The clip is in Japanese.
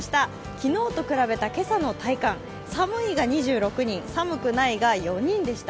昨日と比べた今朝の体感寒いが２６人、寒くないが４人でした。